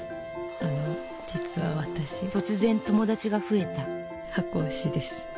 あの実は私突然友達が増えた箱推しです。